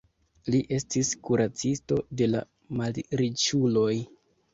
Li estis kuracisto de la malriĉuloj.